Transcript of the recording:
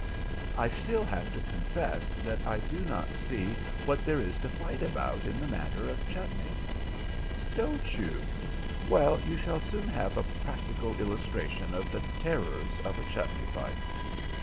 "I still have to confess that I do not see what there is to fight about in the matter of chutney." "Don't you? Well, you shall soon have a practical illustration of the terrors of a chutney fight.